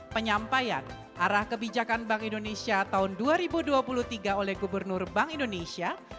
penyampaian arah kebijakan bank indonesia tahun dua ribu dua puluh tiga oleh gubernur bank indonesia